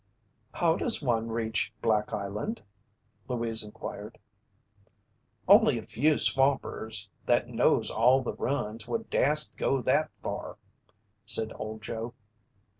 "How does one reach Black Island?" Louise inquired. "Only a few swampers that knows all the runs would dast go that far," said Old Joe.